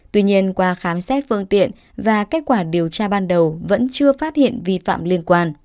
tuy nhiên qua khám xét phương tiện và kết quả điều tra ban đầu vẫn chưa phát hiện vi phạm liên quan